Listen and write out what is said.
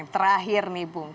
terakhir nih bung